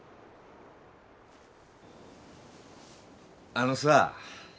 あのさ。